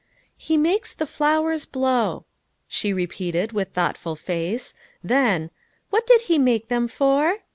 " He makes the flow T ers blow," she repeated with thoughtful face, then :" What did He make them for?"